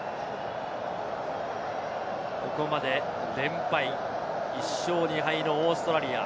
ここまで連敗、１勝２敗のオーストラリア。